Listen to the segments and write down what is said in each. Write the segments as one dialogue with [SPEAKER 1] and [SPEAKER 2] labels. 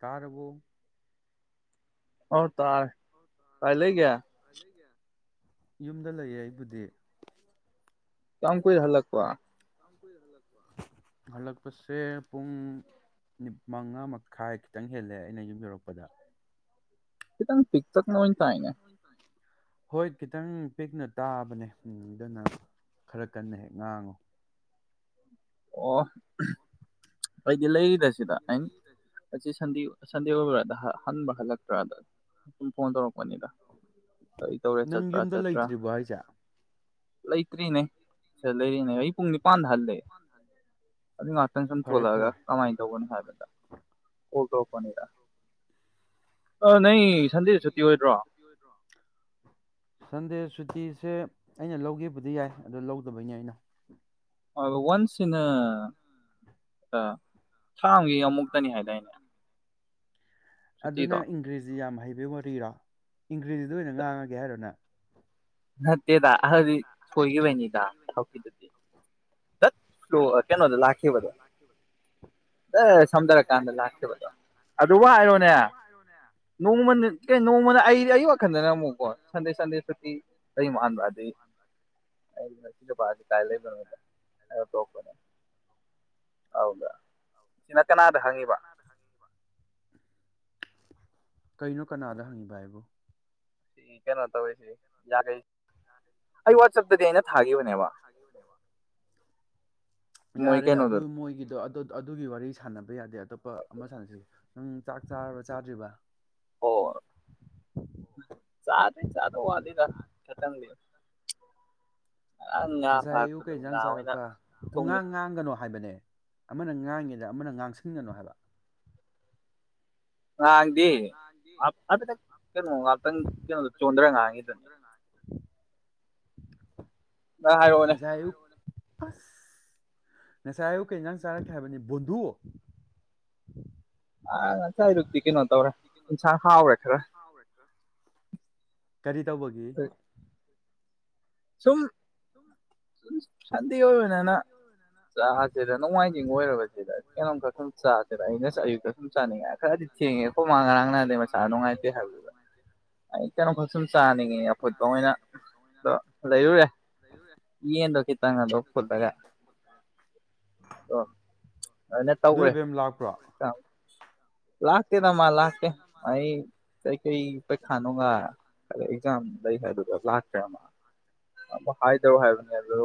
[SPEAKER 1] ꯇꯥꯔꯕꯨꯣ
[SPEAKER 2] ꯍ ꯇꯥꯏ ꯇꯥꯏ ꯂꯩꯒꯌꯥ
[SPEAKER 1] ꯌꯨꯝꯗ ꯂꯩꯌꯦ ꯑꯩꯕꯨꯗꯤ
[SPEAKER 2] ꯀꯝ ꯀꯣꯏ ꯍꯂꯛ ꯋꯥ
[SPEAKER 1] ꯍꯜꯂꯛꯄꯁꯦ ꯄꯨꯡ ꯃꯉꯥ ꯃꯈꯥꯏ ꯈꯤꯇꯪ ꯍꯦꯜꯂꯦ ꯑꯩꯅ ꯌꯨꯝ ꯌꯧꯔꯛꯄꯗ
[SPEAKER 2] ꯁꯤꯈꯤꯇꯪ ꯄꯤꯛ ꯇꯛ ꯅꯣꯏ ꯇꯥꯏꯅꯦ
[SPEAKER 1] ꯍꯣꯏ ꯈꯤꯇꯪ ꯄꯤꯛꯅ ꯇꯥꯕꯅꯦ ꯎ ꯑꯗꯨꯅ ꯈꯔ ꯀꯟꯅ ꯍꯦꯛ ꯉꯥꯡꯉꯨ
[SPEAKER 2] ꯑꯣ ꯑꯩꯗꯤ ꯂꯩ ꯁꯤꯗ ꯁꯟ ꯁꯟꯗꯤꯕꯗ ꯍꯟ ꯂꯛ ꯔꯥꯗ ꯐꯟ ꯇꯔꯛ ꯅꯤꯗ ꯀꯔꯤ ꯇꯧꯔꯦ ꯆꯠꯄ꯭ꯔꯥ ꯆꯠꯇ꯭ꯔꯥ ꯂꯩꯇ꯭ꯔꯤꯅꯦ ꯂꯩꯔꯤꯅꯦ ꯑꯩꯌꯨ ꯄꯨꯡ ꯅꯤꯄꯥꯟꯗ ꯍꯜꯂꯦ ꯑꯗꯨ ꯉꯍꯥꯛꯇꯪ ꯁꯨꯝ ꯊꯣꯛꯣꯂꯛꯑꯒ ꯀꯃꯥꯏꯅ ꯇꯧꯧꯕꯅꯣ ꯍꯥꯏꯕꯗ ꯎꯔꯗꯧꯄꯅꯤꯗꯥ
[SPEAKER 1] ꯁꯟꯗꯦ ꯁ ꯁꯦ ꯑꯩꯅ ꯂꯧꯈꯤꯕꯗꯤ ꯌꯥꯏ ꯑꯗ ꯂꯧꯗꯕꯩꯅꯦ ꯑꯩꯅ
[SPEAKER 2] ꯋꯥꯟꯁꯤ ꯏꯅ ꯑ ꯊꯥꯡꯒꯤ ꯑꯃꯨꯛꯇꯅꯤ ꯍꯥꯏꯗꯥꯏꯅꯦ
[SPEAKER 1] ꯑꯗꯨꯅ ꯏꯪꯒ꯭ꯔꯦꯖꯤ ꯌꯥꯝ ꯍꯩꯕ ꯋꯥꯔꯤꯔꯣ ꯏꯪꯒ꯭ꯔꯤꯖꯗ ꯑꯣꯏꯅ ꯉꯥꯡꯉꯒꯦ ꯍꯥꯏꯔꯣꯅ
[SPEAKER 2] ꯑ
[SPEAKER 1] ꯠꯇꯦꯣꯏꯅꯤꯗ ꯀꯩꯅꯣꯗ ꯁꯝꯊꯔꯀꯥꯟꯗ ꯑꯗꯨ ꯋꯥꯔꯣꯅꯦꯃꯃ ꯑꯩꯗꯤ ꯑꯌꯨꯛ ꯋꯥꯈꯟꯗꯅ ꯑꯃꯨꯛ
[SPEAKER 2] ꯃꯥꯟ ꯁꯤ ꯅꯨꯄꯥꯁꯤꯦ ꯀꯥꯏ ꯂꯩꯕꯅꯣꯗ ꯇꯣꯛꯄꯅꯦ ꯑꯗꯨꯗ ꯁꯤꯅ ꯀꯅꯥꯗ ꯍꯪꯉꯤꯕ
[SPEAKER 1] ꯀꯩꯅꯣ ꯀꯅꯥꯗ ꯍꯪꯉꯤꯕ ꯍꯥꯏꯕꯨ
[SPEAKER 2] ꯁꯤ ꯀꯩꯅꯣ ꯇꯁꯤ ꯌꯥꯒ
[SPEAKER 1] ꯌꯥꯔꯦ ꯑꯗꯨ ꯃꯣꯏꯒꯤꯗꯣ ꯑꯗꯨꯒꯤ ꯋꯥꯔꯤ ꯁꯥꯟꯅꯕ ꯌꯥꯗꯦ ꯑꯇꯣꯞꯄ ꯑꯃ ꯁꯥꯟꯅꯁꯤ ꯅꯪ ꯆꯥꯛ ꯆꯥꯔꯕ ꯆꯥꯗ꯭ꯔꯤꯕ
[SPEAKER 2] ꯆꯥꯗ ꯆꯥꯗ ꯋꯥꯗ ꯈꯇꯪ
[SPEAKER 1] ꯉꯁꯥꯏ ꯑꯌꯨꯛ ꯀꯩꯖꯥꯡ ꯆꯥꯔꯛꯄ ꯄꯨꯡꯉꯥꯡ ꯉꯥꯡꯒꯅꯣ ꯍꯥꯏꯕꯅꯦ ꯑꯃꯅ ꯉꯥꯡꯉꯤꯗ ꯑꯃꯅ ꯉꯥꯡꯁꯤꯟꯒꯅꯨ ꯍꯥꯏꯕ
[SPEAKER 2] ꯑ ꯑꯇꯪ ꯀꯩꯅꯣ ꯑꯇꯪ ꯀꯩꯅꯣ ꯆꯣꯡꯗ꯭ꯔ ꯉꯥꯡꯉꯗꯨꯅꯤ
[SPEAKER 1] [inaudible]
[SPEAKER 2] ꯅ ꯍꯥꯏꯒꯅꯦ
[SPEAKER 1] ꯑꯁ ꯉꯁꯥꯏ ꯍꯥꯏꯌꯨ ꯀꯩꯅ ꯅꯪ ꯆꯥꯔꯛꯀꯦ ꯍꯥꯏꯕꯅꯤ ꯕꯣꯟꯙꯨꯋꯣ
[SPEAKER 2] ꯑ ꯉꯆꯥꯔꯛꯦ
[SPEAKER 1] ꯀꯔꯤ ꯇꯧꯕꯒꯤ
[SPEAKER 2] ꯁꯨꯝ ꯁꯗꯤ ꯑꯣꯏꯅꯅ ꯑꯦꯗ ꯅꯅꯨꯡꯉꯥꯏ ꯑꯣꯏꯔꯦ ꯀꯩꯅꯣꯝꯈꯛ ꯁꯨꯝ ꯆꯥꯁꯦꯕ ꯑꯩꯅ ꯑꯌꯨꯛꯇ ꯁꯨꯝ ꯆꯥꯅꯤꯡꯉꯥꯏ ꯈꯔꯗꯤ ꯊꯦꯡꯉꯦꯀꯣ ꯃꯥ ꯉꯔꯥꯡ ꯅꯥꯗꯩ ꯃꯆꯥ ꯅꯨꯡꯉꯥꯏꯇꯦ ꯍꯥꯏꯕꯗꯨꯗ ꯑꯩ ꯀꯩꯅꯣꯝꯈꯛ ꯁꯨꯝ ꯆꯥꯅꯤꯡꯉꯤ ꯑꯐꯨꯠꯄ ꯑꯣꯏꯅ ꯑꯗꯣ ꯂꯩꯔꯨꯨꯔꯦ ꯌꯦꯟꯗꯣ ꯈꯤꯇꯪ ꯑꯗꯣ ꯐꯨꯠꯂꯒ ꯑꯩꯅ ꯇꯧꯈ꯭ꯔꯦ ꯆꯛ ꯂꯛ ꯀꯩꯅꯣꯃ ꯂꯥꯛꯇꯦ ꯑꯩꯀ ꯀꯩ ꯄꯩꯈꯥꯅꯣꯒ ꯑꯦꯛꯖꯥꯝ ꯂꯩ ꯍꯥꯏꯗꯨꯗ ꯂꯥꯛꯇ꯭ꯔꯦꯃ ꯍꯥꯏꯗꯔꯣ ꯍꯥꯏꯕꯅꯦ ꯑꯗꯨ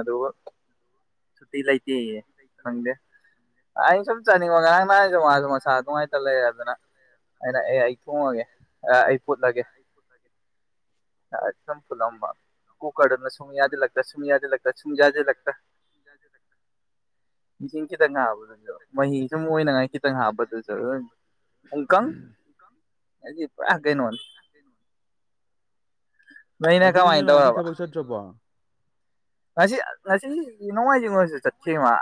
[SPEAKER 2] ꯑꯗꯨꯒ ꯁꯨꯇꯤ ꯂꯩꯇ ꯀꯦꯑꯦ ꯈꯪꯗꯦ ꯑꯥꯏ ꯁꯨꯝ ꯆꯥꯅꯤꯡꯕ ꯉꯔꯥꯡ ꯅꯅꯥꯏꯔꯤꯁ ꯃꯥꯁꯨ ꯃꯁꯥ ꯑꯗꯨꯉꯥꯏꯇ ꯂꯩꯔꯦꯗꯅ ꯑꯩꯅ ꯑꯦ ꯑꯩ ꯊꯣꯡꯉꯒꯦ ꯑꯩ ꯐꯨꯠꯂꯒꯦ ꯑ ꯐꯨꯂꯝ ꯑꯃꯝꯕ ꯀꯨꯀꯔꯗꯨꯅ ꯁꯨꯝ ꯌꯥꯖꯤꯜꯂꯛꯇ ꯁꯨꯝ ꯌꯥꯖꯤꯜꯂꯛꯇ ꯁꯨꯝ ꯌꯥꯖꯤꯜꯂꯛꯇ ꯏꯁꯤꯡꯈꯤꯇꯪꯒ ꯍꯥꯞ ꯃꯍꯤ ꯁꯨꯝ ꯑꯣꯏꯅꯉꯥꯏ ꯈꯤꯇꯪ ꯍꯥꯞꯄꯗꯨꯁꯨ ꯑꯗꯨ ꯄꯨꯝꯀꯪ ꯍꯥꯏꯗꯤ ꯄꯨꯔꯥ ꯀꯩꯅꯣꯅꯤ ꯅꯩꯅ ꯀꯃꯥꯏꯅ
[SPEAKER 1] ꯃꯁꯤ ꯊꯕꯛ ꯆꯠꯇ꯭ꯔꯕꯣ
[SPEAKER 2] ꯉꯁꯤ ꯉꯁꯤ ꯅꯣꯡꯃꯥꯏꯖꯤꯡ ꯑꯣꯏꯔꯁꯨ ꯆꯠꯈꯤ ꯃꯥ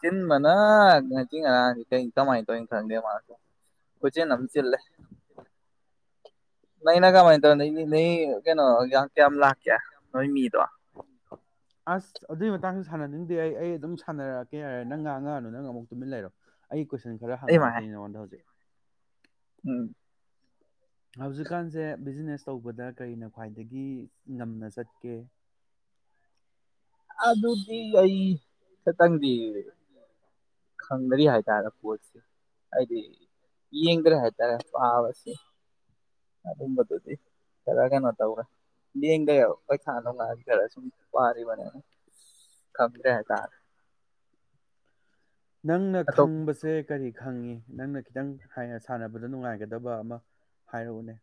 [SPEAKER 2] ꯆꯤꯟꯕꯅ ꯉꯁꯤ ꯉꯔꯥꯡꯁꯤ ꯀꯩ ꯀꯃꯥꯏꯅ ꯇꯧꯏꯅ ꯈꯪꯗꯦ ꯃꯥꯁꯨ ꯀꯣꯏꯆꯤꯟ ꯑꯃꯝ ꯆꯤꯜꯂꯦ ꯅꯩꯅ ꯀꯃꯥꯏꯅ ꯇꯧ ꯅꯩ ꯅꯩ ꯀꯩꯅꯣꯒ ꯀꯌꯥꯝ ꯂꯥꯛꯀꯦ ꯅꯣꯏ ꯃꯤꯗꯣ
[SPEAKER 1] ꯑꯁ ꯑꯗꯨꯏ ꯃꯇꯥꯡꯁꯨ ꯁꯥꯟꯅꯅꯤꯡꯗꯦ ꯑꯩ ꯑꯗꯨꯝ ꯁꯥꯟꯅꯔꯛꯀꯦ ꯌꯥꯔꯦ ꯅꯪ ꯉꯥꯉꯡꯑꯅꯨ ꯅꯪ ꯑꯃꯨꯛ ꯇꯨꯃꯤꯟꯅ ꯂꯩꯔꯣ ꯑꯩ ꯀꯨꯏꯁꯟ ꯈꯔ ꯍꯪꯉꯛꯗꯩ ꯅꯪꯉꯣꯟꯗ ꯍꯧꯖꯤꯛ
[SPEAKER 2] ꯎꯝ
[SPEAKER 1] ꯍꯧꯖꯤꯛꯀꯥꯟꯁꯦ ꯕꯤꯖꯤꯅꯦꯁ ꯇꯧꯕꯗ ꯀꯔꯤꯅ ꯈ꯭ꯋꯥꯏꯗꯒꯤ ꯉꯝꯅ ꯆꯠꯀꯦ
[SPEAKER 2] ꯑꯗꯨꯗꯤ ꯑꯩ ꯈꯤꯇꯪꯗꯤ ꯈꯪꯗ꯭ꯔꯤ ꯍꯥꯏꯇꯥꯔꯦ ꯄꯣꯠꯁꯤ ꯍꯥꯏꯗꯤ ꯌꯦꯡꯗ꯭ꯔꯦ ꯍꯥꯏꯇꯥꯔꯦ ꯄꯥꯕꯁꯤ ꯑꯗꯨꯝꯕꯗꯨꯗꯤ ꯈꯔ ꯀꯩꯅꯣ ꯇꯧꯔꯦ ꯌꯦꯡꯗꯦꯕ ꯄꯩꯈꯥ ꯅꯣꯡꯈꯥꯁꯦ ꯈꯔ ꯁꯨꯝ ꯄꯥꯔꯤꯕꯅꯦꯅ ꯈꯪꯗ꯭ꯔꯦ ꯍꯥꯏꯇꯥꯔꯦ
[SPEAKER 1] ꯅꯪꯅ ꯈꯪꯕꯁꯦ ꯀꯔꯤ ꯈꯪꯉꯤ ꯅꯪꯅ ꯈꯤꯇꯪ ꯁꯥꯟꯅꯕꯗ ꯅꯨꯡꯉꯥꯏꯒꯗꯕ ꯑꯃ ꯍꯥꯏꯔꯛꯎꯅꯦ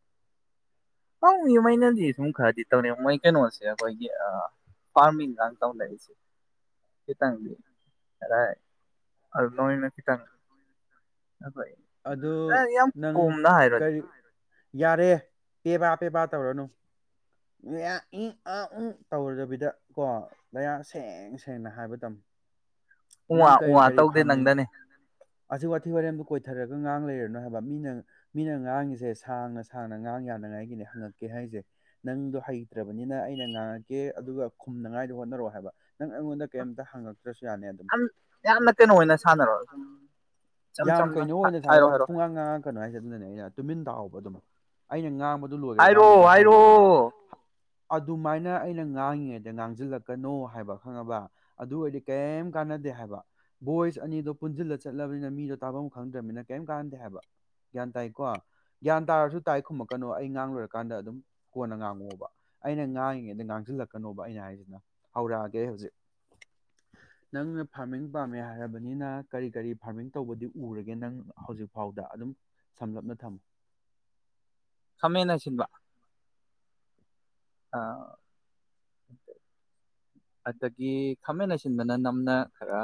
[SPEAKER 2] ꯍꯪꯅꯤ ꯃꯩꯅꯗꯤ ꯁꯨꯝ ꯈꯔꯗꯤ ꯇꯧꯅꯤ ꯃꯣꯏ ꯀꯩꯅꯣꯁꯦ ꯑꯩꯈꯣꯏꯒꯤ ꯑ ꯐꯥꯔꯃꯤ ꯉꯥꯡ ꯀꯥꯡ ꯇꯧꯅꯔꯤꯁꯤ ꯈꯤꯇꯪꯡꯗꯤ ꯑ ꯑꯗꯨ ꯅꯣꯏꯅ ꯈꯤꯇꯥꯡ ꯑꯩꯈꯣꯏ ꯎ ꯌꯥꯝ ꯀꯣꯝꯅ ꯍꯥꯏꯕꯅꯤ
[SPEAKER 1] ꯌꯥꯔꯦ ꯄꯦꯕꯥ ꯄꯦꯕꯥ ꯇꯧꯔꯅꯨ ꯃꯌꯥ ꯏꯪ ꯑ ꯎꯪ ꯇꯧꯔꯨꯗꯕꯤꯗ ꯀꯣ ꯂꯌꯥ ꯁꯦꯡ ꯁꯦꯡꯅ ꯍꯥꯏꯕ ꯇꯝꯃꯨ
[SPEAKER 2] ꯎ ꯋꯥ ꯎ ꯋꯥ ꯇꯧꯗꯦ ꯅꯪꯗꯅꯦ
[SPEAKER 1] ꯑꯁꯤ ꯋꯥꯊꯤ ꯋꯥꯔꯦꯝꯗꯨꯣ ꯀꯣꯏꯊꯔꯒ ꯉꯥꯡ ꯂꯩꯔꯅꯨ ꯍꯥꯏꯕ ꯃꯤꯅ ꯃꯤꯅ ꯉꯥꯡꯉꯤꯁꯦ ꯁꯥꯡꯅ ꯁꯥꯡꯅ ꯉꯥꯡ ꯌꯥꯅꯉꯥꯏꯒꯤꯅꯦ ꯍꯪꯉꯛꯀꯦ ꯍꯥꯏꯁꯦ ꯅꯪꯗꯣ ꯍꯩꯇ꯭ꯔꯕꯅꯤꯅ ꯑꯩꯅ ꯉꯥꯡꯉꯛꯀꯦ ꯑꯗꯨꯒ ꯈꯨꯝꯅꯉꯥꯏꯗꯣ ꯍꯣꯠꯅꯔꯛꯑꯣ ꯍꯥꯏꯕ ꯅꯪ ꯑꯩꯉꯣꯟꯗ ꯀꯩꯝꯇ ꯍꯪꯉꯛꯇ꯭ꯔꯁꯨ
[SPEAKER 2] ꯌꯥꯝ ꯌꯥꯝꯅ ꯀꯩꯅꯣ ꯑꯣꯏꯅ ꯁꯥꯟꯅꯔꯣ ꯑꯗꯨꯝ ꯏꯆꯝ ꯆꯝꯅ ꯍꯥꯏꯔꯣ ꯍꯥꯏꯔꯣ
[SPEAKER 1] ꯇꯨꯃꯤꯟ ꯇꯥꯎꯕ ꯑꯗꯨꯃꯛ ꯑꯩꯅ ꯉꯥꯡꯕ ꯑꯗꯨ ꯂꯣꯏꯈ꯭ꯔꯀꯥꯟꯗꯨꯗ ꯍꯥꯏꯔꯛꯑꯣꯕ ꯑꯗꯨꯃꯥꯏꯅ ꯑꯩꯅ ꯉꯥꯡꯉꯤꯉꯩꯗ ꯉꯥꯡꯁꯤꯜꯂꯛꯀꯅꯣ ꯍꯥꯏꯕ ꯈꯪꯉꯕ ꯑꯗꯨ ꯑꯣꯏꯔꯗꯤ ꯀꯩꯝ ꯀꯥꯟꯅꯗꯦ ꯍꯥꯏꯕ ꯚꯣꯏꯁ ꯑꯅꯤꯗꯣ ꯄꯨꯟꯁꯤꯜꯂ ꯆꯠꯂꯕꯅꯤꯅ ꯃꯤꯗꯣ ꯇꯥꯐꯝ ꯈꯪꯗ꯭ꯔꯕꯅꯤꯅ ꯀꯩꯝ ꯀꯥꯟꯅꯗꯦ ꯍꯥꯏꯕ ꯒ꯭ꯌꯥꯟ ꯇꯥꯏꯀꯣ ꯒ꯭ꯌꯥꯟ ꯇꯥꯔꯁꯨ ꯇꯥꯏ ꯈꯨꯝꯃꯛꯀꯅꯣ ꯑꯩ ꯉꯥꯡꯂꯣꯏꯔꯀꯥꯟꯗ ꯑꯗꯨꯝ ꯀꯣꯟꯅ ꯉꯥꯡꯉꯛꯑꯣꯕ ꯑꯩꯅ ꯉꯥꯡꯉꯦꯗ ꯉꯥꯡꯁꯤꯜꯂꯛꯀꯅꯣꯕ ꯑꯩꯅ ꯍꯥꯏꯔꯤꯁꯤꯅ ꯍꯧꯔꯛꯑꯒꯦ ꯍꯧꯖꯤꯛ ꯅꯪꯅ ꯐꯥꯔꯃꯤꯡ ꯄꯥꯝꯃꯦ ꯍꯥꯏꯔꯕꯅꯤꯅ ꯀꯔꯤ ꯀꯔꯤ ꯐꯥꯔꯃꯤꯡ ꯇꯧꯕꯗꯤ ꯎꯔꯒꯦ ꯅꯪ ꯍꯧꯖꯤꯛꯐꯥꯎꯗ ꯑꯗꯨꯝ ꯁꯝꯂꯞꯅ ꯊꯝꯃꯨ
[SPEAKER 2] ꯈꯥꯃꯟꯅ ꯁꯤꯟꯕ ꯑꯗꯒꯤ ꯈꯥꯃꯦꯟ ꯑꯁꯤꯟꯕꯅ ꯅꯝꯅ ꯈꯔ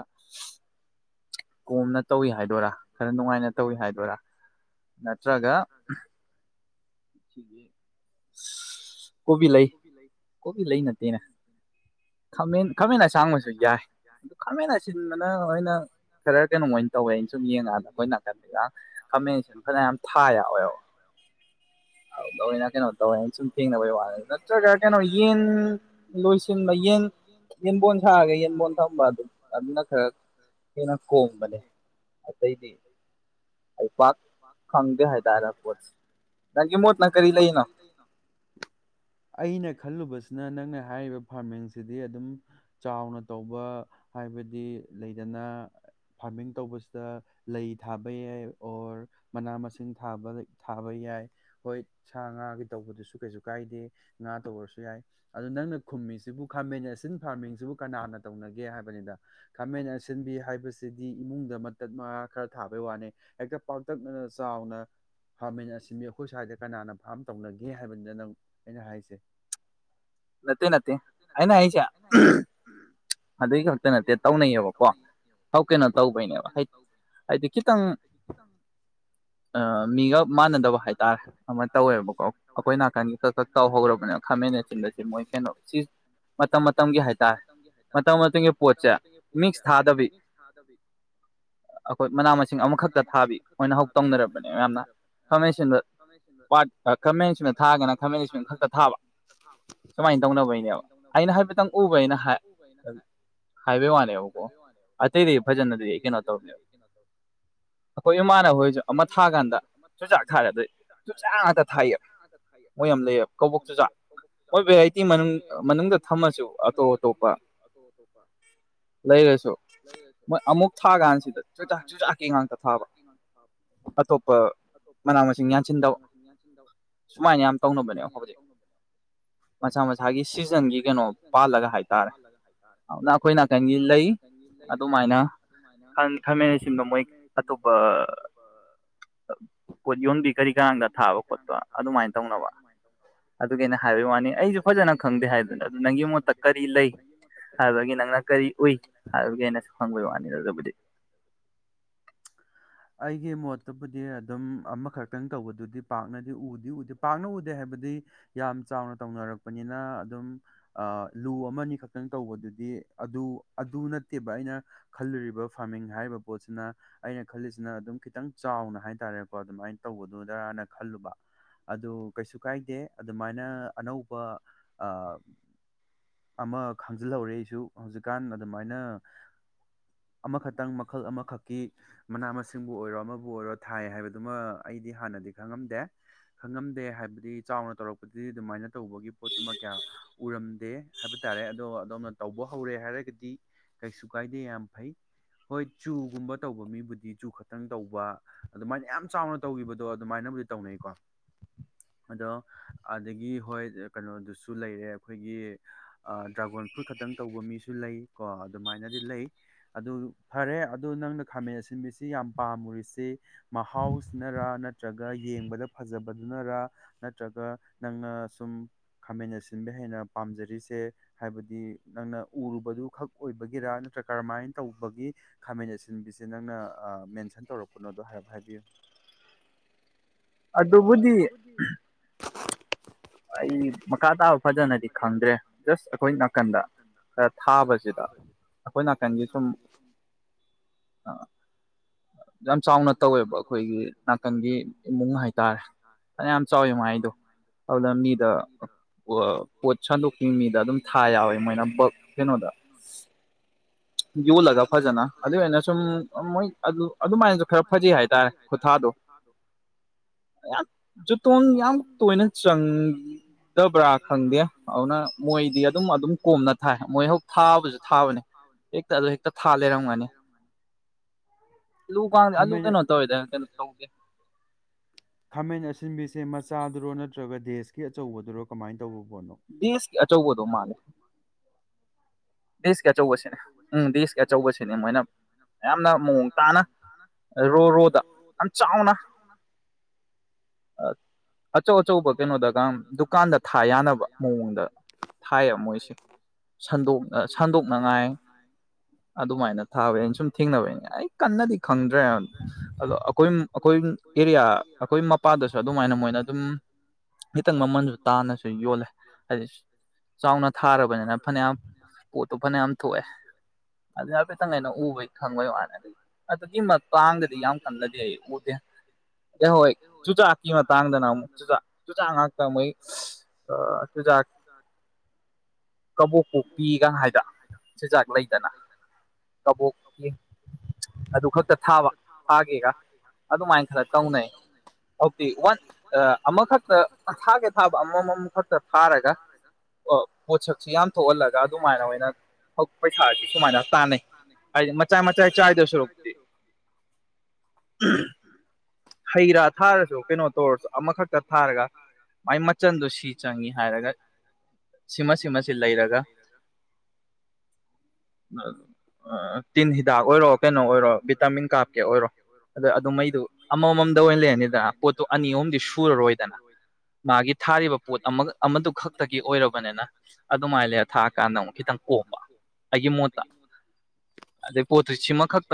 [SPEAKER 2] ꯀꯣꯝꯅ ꯇꯧꯏ ꯍꯥꯏꯗꯣꯏꯔꯥ ꯈꯔ ꯅꯨꯡꯉꯥꯏꯅ ꯇꯧꯏꯤ ꯍꯥꯏꯗꯣꯏꯔꯥ ꯅꯠꯇ꯭ꯔꯒ ꯁꯤ ꯀꯣꯕꯤ ꯂꯩ ꯀꯣꯕꯤ ꯂꯩ ꯅꯠꯇꯦꯅꯦ ꯈꯥꯃꯦꯟ ꯈꯥꯃꯦꯟ ꯑꯁꯥꯡꯕꯁꯨ ꯌꯥꯏ ꯑꯗꯨ ꯈꯥꯃꯦꯟ ꯑꯁꯤꯟꯕꯅ ꯑꯩꯈꯣꯏꯅ ꯈꯔ ꯀꯩꯅꯣꯝ ꯑꯣꯏꯅ ꯇꯧꯋꯦ ꯑꯩꯅ ꯁꯨꯝ ꯌꯦꯡꯉꯛꯀꯥꯟꯗ ꯑꯩꯈꯣꯏ ꯅꯥꯀꯟꯗ ꯈꯥꯃꯦꯟ ꯑꯁꯤꯟ ꯐꯖꯅ ꯌꯥꯝ ꯊꯥ ꯌꯥꯎꯋꯦꯕ ꯑꯅ ꯀꯩꯅꯣ ꯋꯥꯏꯅ ꯁꯨꯝ ꯊꯦꯡꯅꯕꯩ ꯅꯠꯇ꯭ꯔꯒ ꯀꯩꯅꯣ ꯌꯦꯟ ꯂꯣꯏꯁꯤꯟꯕ ꯌꯦꯟ ꯌꯦꯟꯕꯣꯟ ꯁꯥꯔꯒ ꯌꯦꯟꯕꯣꯟ ꯊꯝꯕ ꯑꯗꯨꯝ ꯑꯗꯨꯅ ꯈꯔ ꯍꯦꯟꯅ ꯀꯣꯡꯕꯅꯦ ꯑꯇꯩꯗꯤ ꯑꯩ ꯄꯥꯛ ꯈꯪꯗꯦ ꯍꯥꯏꯇꯥꯔꯦ ꯄꯣꯠꯁꯦ
[SPEAKER 1] ꯅꯪꯒꯤ ꯃꯣꯗꯅꯥ ꯀꯔꯤ ꯂꯩ ꯏꯅꯣ ꯑꯩꯅ ꯈꯜꯂꯨꯕꯁꯤꯅ ꯅꯪꯅ ꯍꯥꯏꯔꯤꯕ ꯐꯥꯔꯃꯤꯡꯁꯤꯗꯤ ꯑꯗꯨꯝ ꯆꯥꯎꯅ ꯇꯧꯕ ꯍꯥꯏꯕꯗꯤ ꯂꯩꯗꯅ ꯐꯥꯔꯃꯤꯡ ꯇꯧꯕꯁꯤꯗ ꯂꯩ ꯊꯥꯕ ꯌꯥꯏ ꯑꯣꯔ ꯃꯅꯥ ꯃꯁꯤꯡ ꯊꯥꯕ ꯊꯥꯕ ꯌꯥꯏ ꯍꯣꯏ ꯁꯥ ꯉꯥꯒꯤ ꯇꯧꯕꯗꯨꯁꯨ ꯀꯩꯁꯨ ꯀꯥꯏꯗꯦ ꯉꯥ ꯇꯧꯔꯁꯨ ꯌꯥꯏ ꯑꯗꯨ ꯅꯪꯅ ꯈꯨꯝꯃꯤꯁꯤꯕꯨ ꯈꯥꯃꯦꯟ ꯑꯁꯤꯟ ꯐꯥꯔꯃꯤꯡꯁꯤꯕꯨ ꯀꯅꯥꯅ ꯇꯧꯅꯒꯦ ꯍꯥꯏꯕꯅꯤꯗ ꯈꯥꯃꯦꯟ ꯑꯁꯤꯟꯕꯤ ꯍꯥꯏꯕꯁꯤꯗꯤ ꯏꯃꯨꯡꯗ ꯃꯇꯠ ꯃꯥ ꯈꯔ ꯊꯥꯕꯩ ꯋꯥꯅꯤ ꯍꯦꯛꯇ ꯄꯥꯛꯇꯛꯅꯅ ꯆꯥꯎꯅ ꯈꯥꯃꯦꯟ ꯑꯁꯤꯟꯕꯤ ꯑꯩꯈꯣꯏ ꯁ꯭ꯋꯥꯏꯗ ꯀꯅꯥꯅ ꯐꯥꯔꯝ ꯇꯧꯅꯒꯦ ꯍꯥꯏꯕꯅꯤꯅ ꯅꯪ ꯑꯩꯅ ꯍꯥꯏꯁꯦ
[SPEAKER 2] ꯅꯠꯇꯦ ꯅꯠꯇꯦ ꯑꯩꯅ ꯑꯩꯁꯦ ꯑꯗꯨꯒꯤ ꯈꯛꯇ ꯅꯠꯇꯦ ꯇꯧꯅꯩꯌꯦꯕꯀꯣ ꯍꯧ ꯀꯩꯅꯣ ꯇꯧꯕꯩꯅꯦꯕ ꯍꯥꯏ ꯍꯥꯏꯗꯤ ꯈꯤꯇꯪ ꯃꯤꯒ ꯃꯥꯟꯅꯗꯕ ꯍꯥꯏꯇꯥꯔꯦ ꯑꯃ ꯇꯧꯋꯦꯕꯀꯣ ꯑꯩꯈꯣꯏ ꯅꯥꯀꯟꯒꯤ ꯀꯛ ꯈꯛ ꯇꯥꯎꯍꯧꯔꯕꯕꯅꯦ ꯈꯥꯃꯦꯟ ꯑꯁꯤꯟꯕꯦ ꯁꯤ ꯃꯇꯝ ꯃꯇꯝꯒꯤ ꯍꯥꯏꯇꯥꯔꯦ ꯃꯇꯝ ꯃꯇꯝꯒꯤ ꯄꯣꯠꯁꯦ ꯃꯤꯛꯁ ꯊꯥꯗꯕꯤ ꯑꯩꯈꯣꯏ ꯃꯅꯥ ꯃꯁꯤꯡ ꯑꯃꯈꯛꯇ ꯊꯥꯕꯤ ꯃꯣꯏꯅ ꯍꯧꯛ ꯇꯧꯅꯔꯕꯅꯦ ꯃꯌꯥꯝꯅ ꯈꯥꯃꯦꯟ ꯑꯁꯤꯗ ꯄꯥꯠ ꯈꯥꯃꯦꯟꯁꯤꯗ ꯊꯥꯔꯒꯅ ꯊꯥꯃꯦꯟꯁꯃꯦꯟ ꯈꯛꯇ ꯊꯥꯕ ꯁꯨꯃꯥꯏꯅ ꯇꯧꯅꯕꯩꯅꯦꯕ ꯑꯩꯅ ꯍꯥꯏꯐꯦꯠꯇꯪ ꯎꯕꯩꯅ ꯍꯥꯏꯕꯩ ꯋꯥꯅꯦꯕꯀꯣ ꯑꯇꯩꯗꯤ ꯐꯖꯅꯗꯤ ꯑꯩ ꯀꯩꯅꯣ ꯇꯧꯕꯅꯦꯕ ꯑꯩꯈꯣꯏ ꯏꯃꯥꯅ ꯍꯣꯏꯁꯨ ꯑꯃ ꯊꯥ ꯀꯥꯟꯗ ꯆꯨꯖꯥꯛ ꯊꯥꯔꯦ ꯑꯗꯨꯗꯩ ꯆꯨꯝꯆꯥꯛ ꯉꯥꯛꯇ ꯊꯥꯏꯌꯦꯕ ꯃꯣꯏ ꯑꯃ
[SPEAKER 1] ꯑꯣꯏ ꯌꯥꯝ
[SPEAKER 2] ꯃꯣꯏ ꯚꯦꯔꯥꯏꯇꯤ ꯃꯅꯨꯡꯗ ꯊꯝꯃꯁꯨ ꯑꯇꯣꯞ ꯑꯇꯣꯞꯄ ꯂꯩꯔꯁꯨ ꯃꯣꯏ ꯑꯃꯨꯛ ꯊꯥ ꯀꯥꯟꯁꯤꯗ ꯆꯨꯆꯥꯛꯀꯦ ꯉꯥꯛꯇ ꯊꯥꯕ ꯑꯇꯣꯞꯄ ꯃꯅꯥ ꯃꯁꯤꯡ ꯌꯥꯟꯁꯤꯟꯗꯕ ꯁꯨꯃꯥꯏꯅ ꯌꯥꯝ ꯇꯧ ꯇꯕꯅꯦ ꯍꯗꯤ ꯃꯁꯥ ꯃꯁꯥꯒꯤ ꯁꯤꯖꯟꯒꯤ ꯀꯩꯅꯣ ꯄꯥꯜꯂꯒ ꯍꯥꯏꯇꯥꯔꯦ ꯑꯗꯨꯅ ꯑꯩꯈꯣꯏ ꯅꯥꯀꯟꯒꯤ ꯂꯩ ꯑꯗꯨꯃꯥꯏꯅ ꯈꯟꯃꯟꯅ ꯁꯤꯟꯕꯣ ꯃꯣꯏ ꯑꯇꯣꯞꯄ ꯀꯣꯠ ꯌꯣꯟꯕꯤ ꯀꯔꯤ ꯀꯔꯥꯡꯗ ꯊꯥꯕ ꯈꯣꯠꯄ ꯑꯗꯨꯃꯥꯏꯅ ꯇꯧꯅꯕ
[SPEAKER 1] ꯑꯗꯨꯃꯥꯏꯅ ꯇꯧꯅ
[SPEAKER 2] ꯍꯥꯏꯕꯒꯤ ꯋꯥꯅꯤ ꯑꯩꯁꯨ ꯐꯖꯅ ꯈꯪꯗꯦ ꯍꯥꯏꯕꯗꯨꯅ ꯑꯗꯨ ꯅꯪꯒꯤ ꯃꯣꯠꯇ ꯀꯔꯤ ꯂꯩ ꯍꯥꯏꯕꯒꯤ ꯅꯪꯅ ꯀꯔꯤ ꯎꯏ ꯍꯥꯏꯕꯒꯤ ꯑꯩꯅꯁꯨ ꯈꯪꯕꯩ ꯋꯥꯅꯤ ꯑꯗꯨꯕꯨꯗꯤ
[SPEAKER 1] ꯑꯩꯒꯤ ꯃꯣꯠꯇꯕꯨꯗꯤ ꯑꯗꯨꯝ ꯑꯃꯈꯛꯇꯪ ꯇꯧꯕꯗꯨꯗꯤ ꯄꯥꯛꯅꯗꯤ ꯎꯗꯤ ꯎꯗꯦ ꯄꯥꯛꯅ ꯎꯗꯦ ꯍꯥꯏꯕꯗꯤ ꯌꯥꯝ ꯆꯥꯎꯅ ꯇꯧꯅꯔꯛꯄꯅꯤꯅ ꯑꯗꯨꯝ ꯂꯨ ꯑꯃꯅꯤ ꯈꯛꯇꯪ ꯇꯧꯕꯗꯨꯗꯤ ꯑꯗꯨ ꯑꯗꯨ ꯅꯠꯇꯦꯕ ꯑꯩꯅ ꯈꯜꯂꯨꯔꯤꯕ ꯐꯥꯔꯃꯤꯡ ꯍꯥꯏꯔꯤꯕ ꯄꯣꯠꯁꯤꯅ ꯑꯩꯅ ꯈꯜꯂꯤꯁꯤꯅ ꯑꯗꯨꯝ ꯈꯤꯇꯪ ꯆꯥꯎꯅ ꯍꯥꯏ ꯇꯥꯔꯦꯀꯣ ꯑꯗꯨꯃꯥꯏꯅ ꯇꯧꯕꯗꯨ ꯗꯔꯥꯅ ꯈꯜꯂꯨꯕ ꯑꯗꯨ ꯀꯩꯁꯨ ꯀꯥꯏꯗꯦ ꯑꯗꯨꯃꯥꯏꯅ ꯑꯅꯧꯕ ꯑꯃ ꯈꯪꯖꯤꯜꯍꯧꯔꯦ ꯑꯩꯁꯨ ꯍꯧꯖꯤꯛꯀꯥꯟ ꯑꯗꯨꯃꯥꯏꯅ ꯑꯃꯈꯛꯇꯪ ꯃꯈꯜ ꯑꯃꯈꯛꯀꯤ ꯃꯅꯥ ꯃꯁꯤꯡꯕꯨ ꯑꯣꯏꯔꯣ ꯑꯃꯕꯨ ꯑꯣꯏꯔꯣ ꯊꯥꯏ ꯍꯥꯏꯕꯗꯨꯃ ꯑꯩꯗꯤ ꯍꯥꯟꯅꯗꯤ ꯈꯪꯉꯝꯗꯦ ꯈꯪꯉꯝꯗꯦ ꯍꯥꯏꯕꯗꯤ ꯆꯥꯎꯅ ꯇꯧꯔꯛꯄꯗꯗꯤ ꯑꯗꯨꯃꯥꯏꯅ ꯇꯧꯕꯒꯤ ꯄꯣꯠꯇꯨꯃ ꯀꯌꯥ ꯎꯔꯝꯗꯦ ꯍꯥꯏꯕ ꯇꯥꯔꯦ ꯑꯗꯣ ꯑꯗꯣꯝꯅ ꯇꯧꯕ ꯍꯧꯔꯦ ꯍꯥꯏꯔꯒꯗꯤ ꯀꯩꯁꯨ ꯀꯥꯏꯗꯦ ꯌꯥꯝ ꯐꯩ ꯍꯣꯏ ꯆꯨꯒꯨꯝꯕ ꯇꯧꯕ ꯃꯤꯕꯨꯗꯤ ꯆꯨ ꯈꯛꯇꯪ ꯇꯧꯕ ꯑꯗꯨꯃꯥꯏꯅ ꯌꯥꯝ ꯆꯥꯎꯅ ꯇꯧꯈꯤꯕꯗꯣ ꯑꯗꯨꯃꯥꯏꯅꯕꯨꯗꯤ ꯇꯧꯅꯩꯀꯣ ꯑꯗꯣ ꯑꯗꯒꯤ ꯍꯣꯏ ꯀꯩꯅꯣꯗꯨꯁꯨ ꯂꯩꯔꯦ ꯑꯩꯈꯣꯏꯒꯤ ꯗ꯭ꯔꯥꯒꯣꯟ ꯐ꯭ꯔꯨꯏꯠ ꯈꯛꯇꯪ ꯇꯧꯕ ꯃꯤꯁꯨ ꯂꯩ ꯀꯣ ꯑꯗꯨꯃꯥꯏꯅꯗꯤ ꯂꯩ ꯑꯗꯨ ꯐꯔꯦ ꯑꯗꯨ ꯅꯪꯅ ꯈꯥꯃꯦꯟ ꯑꯁꯤꯟꯕꯤꯁꯤ ꯌꯥꯝ ꯄꯥꯝꯃꯨꯔꯤꯁꯤ ꯃꯍꯥꯎꯁꯤꯅꯔꯥ ꯅꯠꯇ꯭ꯔꯒ ꯌꯦꯡꯕꯗ ꯐꯖꯕꯗꯨꯅꯔ ꯅꯠꯇ꯭ꯔꯒ ꯅꯪꯅ ꯁꯨꯝ ꯈꯥꯃꯦꯟ ꯑꯁꯤꯟꯕ ꯍꯦꯟꯅ ꯄꯥꯝꯖꯔꯤꯁꯦ ꯍꯥꯏꯕꯗꯤ ꯅꯪꯅ ꯎꯔꯨꯕꯗꯨꯈꯛ ꯑꯣꯏꯕꯒꯤꯔꯥ ꯅꯠꯇ꯭ꯔꯒ ꯀꯔꯝꯍꯥꯏꯅ ꯇꯧꯕꯒꯤ ꯈꯥꯃꯦꯟ ꯑꯁꯤꯟꯕꯤꯁꯦ ꯅꯪꯅ ꯃꯦꯟꯁꯟ ꯇꯧꯔꯛꯄꯅꯣꯗꯣ ꯍꯥꯏꯔꯞ ꯍꯥꯏꯕꯤꯌꯨ
[SPEAKER 2] ꯑꯗꯨꯕꯨꯗꯤ ꯑꯩ ꯃꯈꯥ ꯇꯥꯕ ꯐꯖꯅꯗꯤ ꯈꯪꯗ꯭ꯔꯦ ꯖꯁ ꯑꯩꯈꯣꯏ ꯅꯥꯀꯟꯗ ꯈꯔ ꯊꯥꯕꯁꯤꯗ ꯑꯩꯈꯣꯏ ꯅꯥꯀꯟꯒꯤ ꯁꯨꯝ ꯑ ꯌꯥꯝ ꯆꯥꯎꯅ ꯇꯧꯋꯦꯕ ꯑꯩꯈꯣꯏꯒꯤ ꯅꯥꯀꯟꯒꯤ ꯏꯃꯨꯡ ꯍꯥꯏꯇꯥꯔꯦ ꯐꯅ ꯌꯥꯝ ꯆꯥꯎꯋꯤ ꯃꯥꯏꯗꯣ ꯑꯗꯨꯅ ꯃꯤꯗ ꯄꯣꯠ ꯁꯟꯗꯣꯛꯈꯤꯕ ꯃꯤꯗ ꯑꯗꯨꯝ ꯊꯥ ꯌꯥꯎꯋꯦ ꯃꯣꯏꯅ ꯕꯛ ꯀꯩꯅꯣꯗ ꯌꯣꯜꯂꯒ ꯐꯖꯅ ꯑꯗꯨꯒꯤ ꯑꯣꯏꯅ ꯁꯨꯝ ꯃꯣꯏ ꯑꯗꯨ ꯑꯗꯨꯃꯥꯏꯅ ꯈꯔ ꯐꯖꯩ ꯍꯥꯏꯇꯥꯔꯦ ꯈꯨꯊꯥꯗꯣ ꯌꯥꯝ ꯖꯨꯇꯣꯟ ꯌꯥꯝ ꯇꯣꯏꯅ ꯆꯪꯗꯕ꯭ꯔꯥ ꯈꯪꯗꯦ ꯑꯗꯨꯅ ꯃꯣꯏꯗꯤ ꯑꯗꯨꯝ ꯑꯗꯨꯝ ꯀꯣꯝꯅ ꯊꯥꯏ ꯃꯣꯏ ꯍꯧ ꯊꯥꯕꯁꯨ ꯊꯥꯕꯅꯤ ꯍꯦꯛꯇ ꯑꯗꯨ ꯍꯦꯛꯇ ꯊꯥ ꯂꯩꯔꯝꯒꯅꯤ ꯂꯨꯀ ꯑꯜꯂꯨ ꯀꯩꯅꯣ ꯊꯧꯋꯦꯗꯥꯏ ꯀꯩ ꯇꯧꯗꯦ
[SPEAKER 1] ꯁꯦ ꯃꯆꯥꯗꯨꯔꯣ ꯅꯠꯇ꯭ꯔꯒ ꯗꯦꯁꯀꯤ ꯑꯆꯧꯕꯗꯨꯔꯣ ꯀꯃꯥꯏꯅ ꯇꯧ
[SPEAKER 2] ꯗꯦꯁꯀꯤ ꯑꯆꯧꯕꯗꯨ ꯃꯂꯤ
[SPEAKER 1] ꯁꯆꯧꯕꯁꯦ ꯎꯁꯀ ꯑꯆꯧꯕꯁꯦ ꯑꯗꯨꯃꯥꯏꯅ ꯌꯥꯝꯅ ꯃꯑꯣꯡ ꯇꯥꯅ ꯔꯣ ꯔꯣꯗ ꯌꯥꯝ ꯆꯥꯎꯅ
[SPEAKER 2] ꯑ ꯑꯆꯧ ꯑꯆꯧꯕ ꯀꯩꯅꯣꯗꯒ ꯗꯨꯀꯥꯟꯗ ꯊꯥ ꯌꯥꯅꯕ ꯃꯑꯣꯡꯗ ꯊꯥꯏꯌꯦꯕ ꯃꯣꯏꯁꯦ ꯁꯟꯗꯣꯛ ꯁꯟꯗꯣꯛꯅꯉꯥꯏ ꯑꯗꯨꯃꯥꯏꯅ ꯊꯥꯕꯩꯅ ꯁꯨꯝ ꯊꯦꯡꯅꯕꯩꯩꯅ ꯑꯩ ꯀꯟꯅꯗꯤ ꯈꯪꯗ꯭ꯔꯦ ꯑꯗꯣ ꯑꯩꯈꯣꯏ ꯑꯩꯈꯣꯏ ꯑꯦꯔꯤꯌꯥ ꯑꯩꯈꯣꯏ ꯃꯄꯥꯥꯟꯗꯁꯨ ꯑꯗꯨꯃꯥꯏꯅ ꯃꯣꯏꯅ ꯑꯗꯨꯝ ꯈꯤꯇꯪ ꯃꯃꯜꯁꯨ ꯇꯥꯅꯁꯨ ꯌꯣꯜꯂꯦ ꯍꯥꯏꯗꯤ ꯆꯥꯎꯅ ꯊꯥꯔꯕꯅꯤꯅ ꯐꯅꯌꯥꯝ ꯄꯣꯠꯇꯣ ꯐꯅ ꯌꯥꯝ ꯊꯣꯛꯑꯦ ꯑꯗꯨ ꯍꯥꯏꯐꯦꯠꯇꯪ ꯑꯩꯅ ꯎꯕꯩ ꯈꯪꯕꯩ ꯋꯥꯅꯤ ꯑꯗꯒꯤ ꯑꯗꯨꯒꯤ ꯃꯇꯥꯡꯗꯗꯤ ꯌꯥꯝ ꯀꯜꯂꯗꯤ ꯑꯩ ꯎꯗꯦ ꯑꯗꯩ ꯍꯣꯏ ꯆꯨꯖꯥꯛꯀꯤ ꯃꯇꯥꯡꯗꯅ ꯑꯃꯨꯛ ꯆꯨꯖꯥꯛ ꯆꯨꯖꯥꯛ ꯉꯥꯛꯇ ꯃꯣꯏ ꯆꯨꯖꯥꯛ ꯀꯕꯣꯛ ꯀꯣꯛꯄꯤ
[SPEAKER 1] [inaudible]
[SPEAKER 2] ꯊꯥꯒ ꯊꯥꯕ ꯑꯃꯃꯝ ꯈꯛꯇ ꯐꯥꯔꯒ ꯄꯣꯠꯁꯛꯁꯤ ꯌꯥꯝ ꯊꯣꯛꯍꯜꯂꯒ ꯁꯨꯃꯥꯏꯅ ꯑꯣꯏꯅ ꯍꯧꯛ ꯄꯩꯁꯥꯁꯤ ꯁꯨꯃꯥꯏꯅ ꯇꯥꯟꯅꯩ ꯍꯥꯏꯗꯤ ꯃꯆꯥ ꯃꯆꯥꯥꯏ ꯆꯥꯏꯗ ꯁꯔꯨꯛꯇꯤ ꯍꯩ ꯔꯥ ꯊꯥꯔꯁꯨ ꯀꯩꯅꯣ ꯇꯧꯔꯁꯨ ꯑꯃꯈꯛꯇ ꯊꯥꯔꯒ ꯃꯥꯏ ꯃꯆꯜꯗꯨ ꯁꯤ ꯆꯪꯉꯤ ꯍꯥꯏꯔꯒ ꯁꯤꯃ ꯁꯤꯃꯁꯤ ꯂꯩꯔꯒ ꯇꯤꯟ ꯍꯤꯗꯥꯛ ꯑꯣꯏꯔꯣ ꯀꯩꯅꯣ ꯑꯣꯏꯔꯣ ꯚꯤꯇꯥꯃꯤꯟ ꯀꯥꯞꯀꯦ ꯑꯣꯏꯔꯣ ꯑꯗ ꯑꯗꯨꯃꯩꯗꯨ ꯑꯃꯃꯝꯗ ꯑꯣꯏꯅ ꯂꯩꯔꯅꯤꯗ ꯄꯣꯠꯇꯨ ꯑꯅꯤ ꯑꯍꯨꯝꯗꯤ ꯁꯨꯔꯔꯣꯏ ꯃꯥꯒꯤ ꯊꯥꯔꯤꯕ ꯄꯣꯠ ꯑꯃꯗꯨ ꯈꯛꯇꯒꯤ ꯑꯣꯏꯔꯕꯅꯤꯅ ꯑꯗꯨꯃꯥꯏ ꯂꯩꯔ ꯊꯥꯔ ꯀꯥꯟꯗ ꯑꯃꯨꯛ ꯈꯤꯇꯪ ꯀꯣꯝꯕ ꯑꯩꯒꯤ ꯃꯣꯠꯇ ꯑꯗꯩ ꯄꯣꯠꯇꯨ ꯁꯤꯃ ꯈꯛꯇ